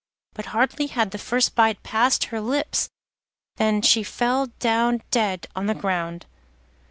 But hardly had the first bite passed her lips than she fell down dead on the ground.